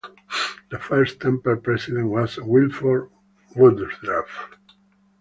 The first temple president was Wilford Woodruff.